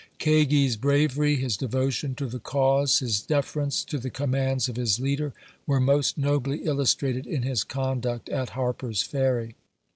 Kagi's bravery, his devotion to the cause, his deference to the commands of his leader, were most nobly illustrated in his conduct at Harper's Perry.